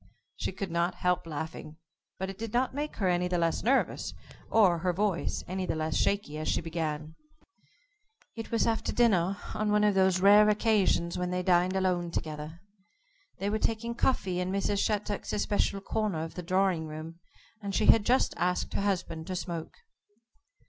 She could not help laughing, but it did not make her any the less nervous, or her voice any the less shaky as she began: It was after dinner on one of those rare occasions when they dined alone together. They were taking coffee in Mrs. Shattuck's especial corner of the drawing room, and she had just asked her husband to smoke.